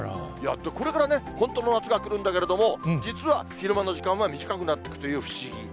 これから本当の夏がくるんだけれども、実は昼間の時間は短くなっていくという不思議。